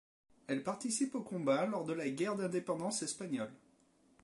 Elle participe aux combats lors de la Guerre d'indépendance espagnole.